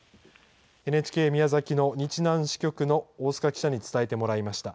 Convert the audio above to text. ＮＨＫ宮崎の日南支局の大須賀記者に伝えてもらいました。